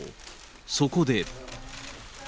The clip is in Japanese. そこで。